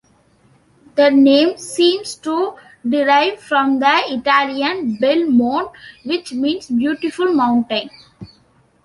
The name seems to derive from the Italian "bel monte"," which means "beautiful mountain.